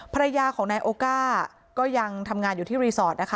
ภรรยาของนายโอก้าก็ยังทำงานอยู่ที่รีสอร์ทนะคะ